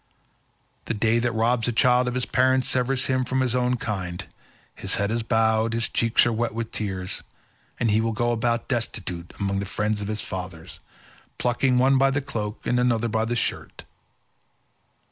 The day that robs a child of his parents severs him from his own kind; his head is bowed, his cheeks are wet with tears, and he will go about destitute among the friends of his father, plucking one by the cloak and another by the shirt.